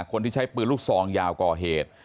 คนที่ใช้ปืนลูกซองยาวก่อเหตุ